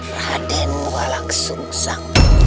raden mau langsung sangkut